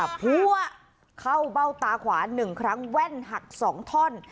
พัวเข้าเบ้าตาขวา๑ครั้งแว่นหัก๒ท่อน